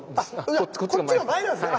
こっちが前なんですね。